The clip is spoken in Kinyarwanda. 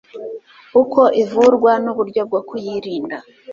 uko ivurwa n'uburyo bwo kuyirinda